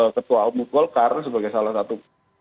ketua umum golkar sebagai salah satu